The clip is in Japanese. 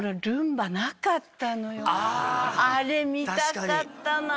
あれ見たかったなぁ。